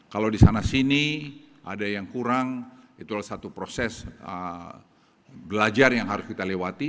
kalau di sana sini ada yang kurang itulah satu proses belajar yang harus kita lewati